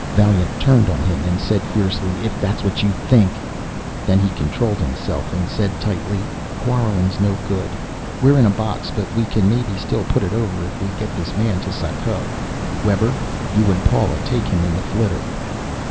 Vaillant turned on him and said fiercely, "If that's what you think " Then he controlled himself and said tightly, "Quarrelling's no good. We're in a box but we can maybe still put it over if we get this man to Sako. Webber, you and Paula take him in the flitter."